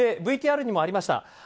ＶＴＲにもありました